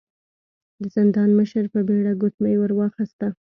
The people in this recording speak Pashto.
د زندان مشر په بيړه ګوتمۍ ور واخيسته.